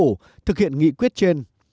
và thực hiện nghị quyết trên